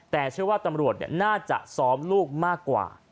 แต่เชื่อว่าตำรวจน่าจะซ้อมลูกมากกว่า